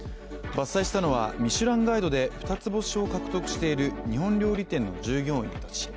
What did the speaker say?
伐採したのはミシュランガイドで二つ星を獲得している日本料理店の従業員たち。